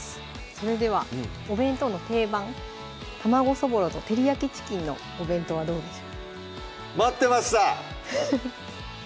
それではお弁当の定番「卵そぼろと照り焼きチキンのお弁当」はどうでしょう待ってました！